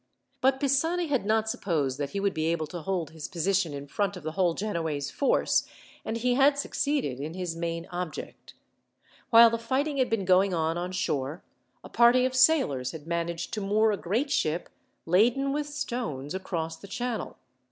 But Pisani had not supposed that he would be able to hold his position in front of the whole Genoese force, and he had succeeded in his main object. While the fighting had been going on on shore, a party of sailors had managed to moor a great ship, laden with stones, across the channel.